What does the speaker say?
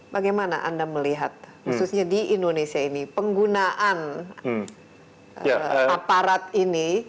bagaimana anda melihat khususnya di indonesia ini penggunaan aparat ini